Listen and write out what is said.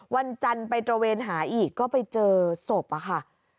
วันจันทร์ไปตระเวนหาอีกก็ไปเจอศพอะค่ะ